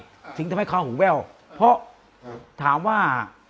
สิ่งที่ทำให้เขาหูแววเพราะถามว่า